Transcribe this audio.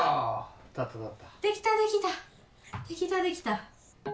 立った、できた、できた。